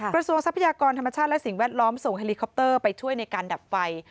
ทรัพยากรธรรมชาติและสิ่งแวดล้อมส่งเฮลิคอปเตอร์ไปช่วยในการดับไฟ